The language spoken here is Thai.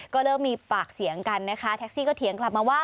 ก็เริ่มมีปากเสียงกันนะคะแท็กซี่ก็เถียงกลับมาว่า